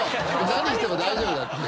何しても大丈夫だって。